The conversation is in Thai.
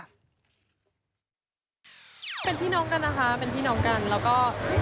เป็นพี่น้องกันนะคะเป็นพี่น้องกันแล้วก็